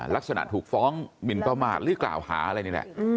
ลักษณะถูกฟ้องหมินประมาทหรือกล่าวหาอะไรนี่แหละ